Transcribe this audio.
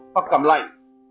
hoặc cảm lạnh